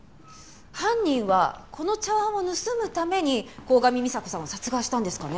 犯人はこの茶碗を盗むために鴻上美沙子さんを殺害したんですかね？